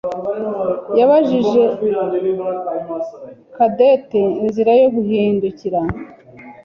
yabajije Cadette inzira yo guhindukirira.